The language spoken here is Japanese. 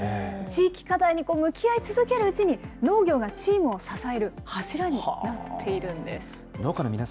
地域課題に向き合い続けるうちに、農業がチームを支える柱になっているんです。